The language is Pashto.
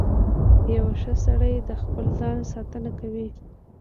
• یو ښه سړی د خپل ځان ساتنه کوي.